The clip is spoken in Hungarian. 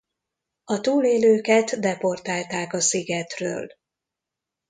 A túlélőket deportálták a szigetről.